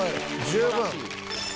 十分！